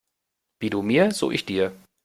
Wie du mir, so ich dir.